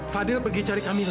fadil pergi cari kamila